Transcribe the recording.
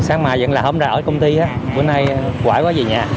sáng mai vẫn là hôm ra ở công ty á hôm nay quảy quá vậy nha